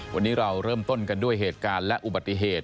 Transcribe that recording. วันนี้เราเริ่มต้นกันด้วยเหตุการณ์และอุบัติเหตุ